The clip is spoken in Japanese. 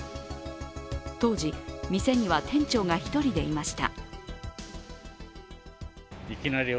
当時、店には店長が１人でいました。